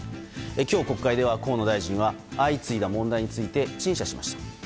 今日、国会では河野大臣は相次いだ問題について陳謝しました。